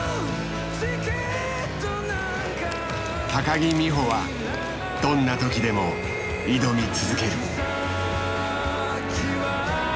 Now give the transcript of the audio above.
木美帆はどんな時でも挑み続ける。